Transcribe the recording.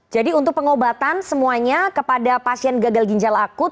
jadi untuk pengobatan semuanya kepada pasien gagal ginjal akut